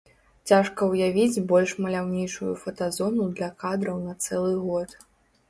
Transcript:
Цяжка ўявіць больш маляўнічую фотазону для кадраў на цэлы год.